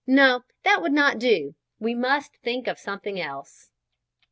No; that would not do; we must think of something else.